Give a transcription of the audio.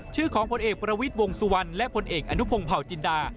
ชื่อของผลเอกประวิทย์วงสุวรรณและผลเอกอนุพงศ์เผาจินดา